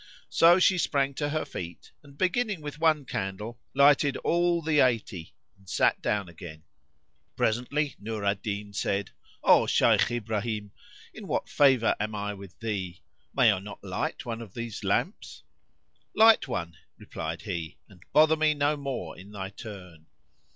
So she sprang to her feet and, beginning with one candle, lighted all the eighty and sat down again. Presently Nur al Din said, "O Shaykh Ibrahim, in what favour am I with thee? May I not light one of these lamps?" "Light one," replied he, "and bother me no more in thy turn!"